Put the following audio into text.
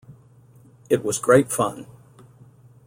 It was great fun.